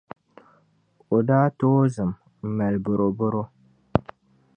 o daa tooi zim m-mali bɔrɔbɔro.